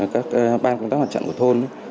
các ban công tác hoạt trận của thôn